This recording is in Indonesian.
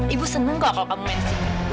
ibu seneng kalau kamu main sini